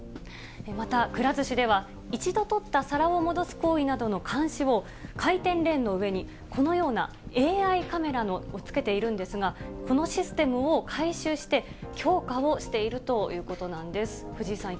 また、くら寿司では、一度取った皿を戻す行為などの監視を、回転レーンの上に、このようなＡＩカメラをつけているんですが、このシステムを改修して、強化をしているということなんです。